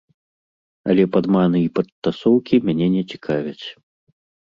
Але падманы і падтасоўкі мяне не цікавяць.